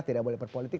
tidak boleh berpolitik